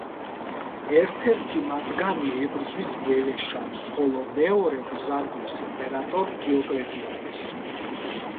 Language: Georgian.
ერთ-ერთი მათგანი ებრძვის გველეშაპს ხოლო მეორე ბიზანტიის იმპერატორ დიოკლეტიანეს.